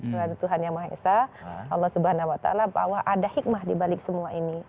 berhadap tuhan yang maha esa allah subhanahu wa ta'ala bahwa ada hikmah dibalik semua ini